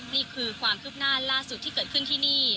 นี่คือความคืบหน้าล่าสุดที่เกิดขึ้นที่นี่